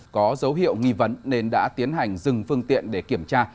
có dấu hiệu nghi vấn nên đã tiến hành dừng phương tiện để kiểm tra